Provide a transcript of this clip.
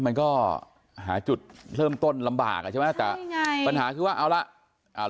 มันก็หาจุดเริ่มต้นลำบากอ่ะใช่ไหมแต่ยังไงปัญหาคือว่าเอาละอ่า